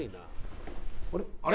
あれ？